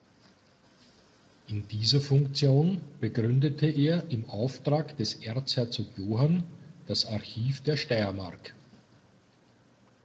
In dieser Funktion begründete er im Auftrag des Erzherzog Johann das Archiv der Steiermark.